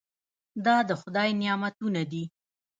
دا د خدای نعمتونه دي.